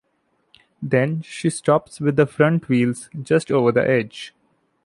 Then, she stops with the front wheels just over the edge.